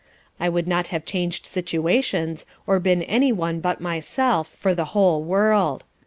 I would not have changed situations, or been any one but myself for the whole world.